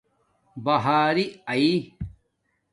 بہاری اݺی